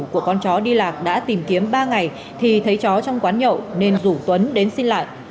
của con chó đi lạc đã tìm kiếm ba ngày thì thấy chó trong quán nhậu nên rủ tuấn đến xin lại